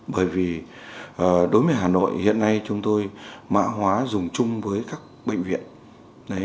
bởi vì đối với hà nội hiện nay chúng tôi mã hóa dùng chung với các bệnh viện